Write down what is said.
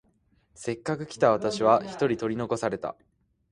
せっかく来た私は一人取り残された。